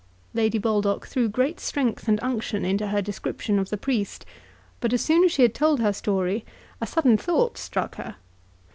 Lady Baldock threw great strength and unction into her description of the priest; but as soon as she had told her story a sudden thought struck her.